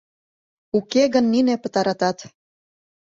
Уке гын, нине пытаратат.